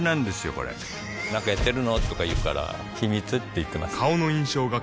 これなんかやってるの？とか言うから秘密って言ってます